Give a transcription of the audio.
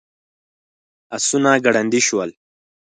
آسونه ګړندي شول.